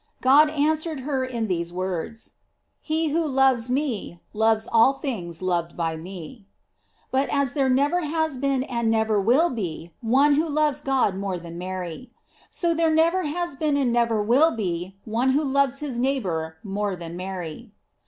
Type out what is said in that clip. God answered her in these words: "He who loves me, loves all things loved by me." But as there never has been and never will be one who loves God more than Mary; so there never has been and never will be one who loves his neighbor more than Mary.